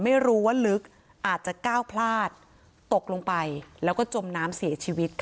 ไม่รู้ว่าลึกอาจจะก้าวพลาดตกลงไปแล้วก็จมน้ำเสียชีวิตค่ะ